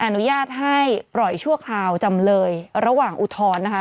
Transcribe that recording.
อนุญาตให้ปล่อยชั่วคราวจำเลยระหว่างอุทธรณ์นะคะ